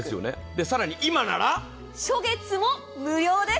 更に今なら初月も無料です。